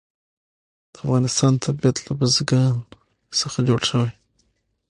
د افغانستان طبیعت له بزګان څخه جوړ شوی دی.